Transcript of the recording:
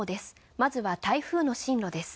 まずは台風の進路です。